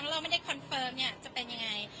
เราไม่ได้คอนเฟิร์มเนี่ยจะเป็นยังไง